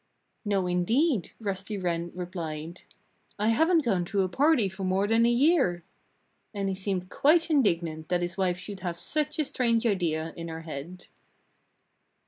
"No, indeed!" Rusty Wren replied. "I haven't gone to a party for more than a year." And he seemed quite indignant that his wife should have such a strange idea in her head.